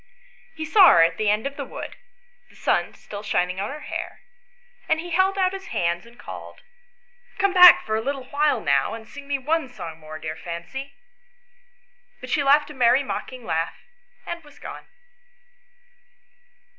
He saw her at the end of the wood, the sun still shining on her hair, and he held out his hands and called, " Come back for a little while now, and sing me one song more, dear Fancy;" but she laughed a merry mocking laugh, and was gone.